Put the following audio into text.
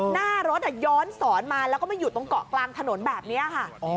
หน้ารถย้อนสอนมาแล้วก็มาอยู่ตรงเกาะกลางถนนแบบนี้ค่ะ